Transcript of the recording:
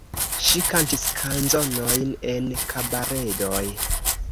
Ŝi kantis kanzonojn en kabaredoj.